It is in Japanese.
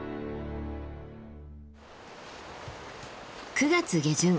９月下旬